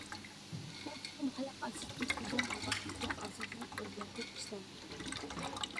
بۇ فىلىم خەلق ئارىسىدىكى گۈزەل رىۋايەتكە ئاساسەن ئۆزگەرتىپ ئىشلەنگەن.